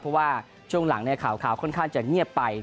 เพราะว่าช่วงหลังเนี่ยค่าขายค่อนข้างจะ